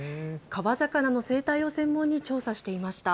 川魚の生態を専門に調査していました。